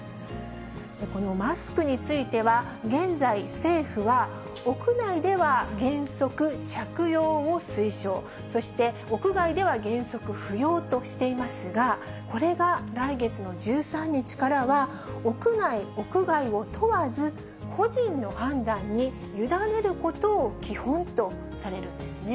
このマスクについては、現在、政府は、屋内では原則着用を推奨、そして屋外では原則不要としていますが、これが来月の１３日からは、屋内、屋外を問わず、個人の判断に委ねることを基本とされるんですね。